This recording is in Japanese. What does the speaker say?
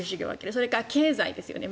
それから経済ですよね。